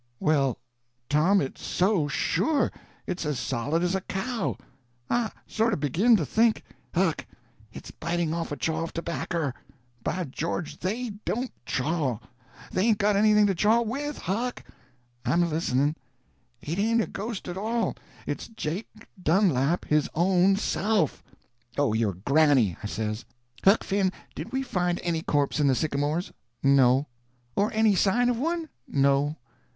_" "Why, Tom, it's so, sure! It's as solid as a cow. I sort of begin to think—" "Huck, it's biting off a chaw of tobacker! By George, they don't chaw—they hain't got anything to chaw with. Huck!" "I'm a listening." "It ain't a ghost at all. It's Jake Dunlap his own self!" "Oh your granny!" I says. "Huck Finn, did we find any corpse in the sycamores?" "No." "Or any sign of one?" "No."